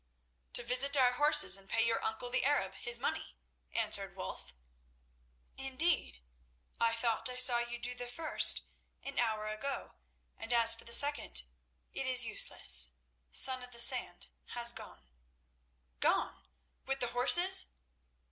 "To visit our horses and pay your uncle, the Arab, his money," answered Wulf. "Indeed! I thought I saw you do the first an hour ago, and as for the second, it is useless; Son of the Sand has gone." "Gone! With the horses?"